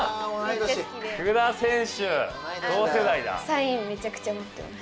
サインめちゃくちゃもってます。